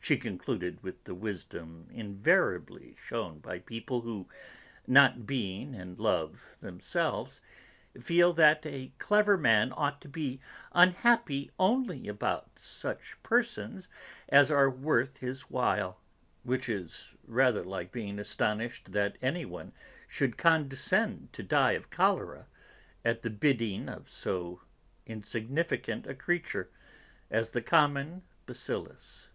she concluded with the wisdom invariably shewn by people who, not being in love themselves, feel that a clever man ought to be unhappy only about such persons as are worth his while; which is rather like being astonished that anyone should condescend to die of cholera at the bidding of so insignificant a creature as the common bacillus.